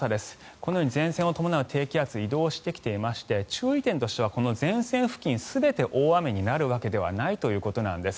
このように前線を伴う低気圧が移動してきていまして注意点としては前線付近全て大雨になるわけではないということなんです。